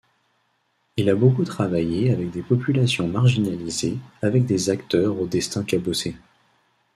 Il a beaucoup travaillé avec des populations marginalisées avec des acteurs au destin cabossé.